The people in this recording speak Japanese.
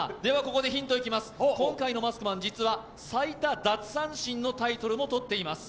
ここでヒントいきます、今回のマスクマン、実は、最多奪三振のタイトルも取っています。